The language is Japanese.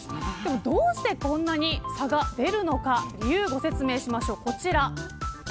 どうして、こんなにも差が出るのか理由をご説明しますこちら。